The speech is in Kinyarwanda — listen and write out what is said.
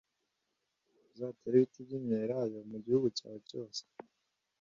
uzatera ibiti by'imyelayo mu gihugu cyawe cyose